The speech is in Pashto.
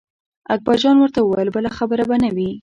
اکبر جان ورته وویل بله خبره به نه وي.